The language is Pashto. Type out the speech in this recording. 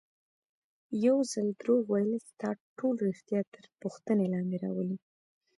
یو ځل دروغ ویل ستا ټول ریښتیا تر پوښتنې لاندې راولي.